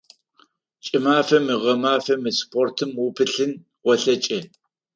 КӀымафэми гъэмафэми спортым упылъын олъэкӀы.